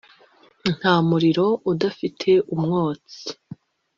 nta muriro udafite umwotsi.